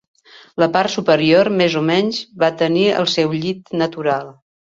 La part superior més o menys va tenir el seu llit natural.